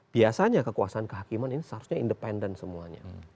biasanya kekuasaan kehakiman ini seharusnya independen semuanya